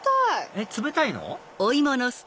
えっ冷たいの？